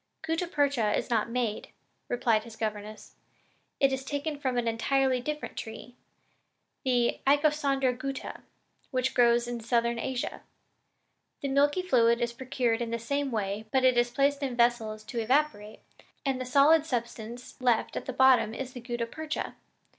"Gutta percha is not made," replied his governess, "and it is taken from an entirely different tree, the Icosandra gutta, which grows in Southern Asia. The milky fluid is procured in the same way, but it is placed in vessels to evaporate, and the solid substance left at the bottom is the gutta percha.